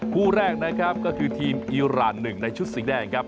คู่แรกนะครับก็คือทีมอีรานหนึ่งในชุดสีแดงครับ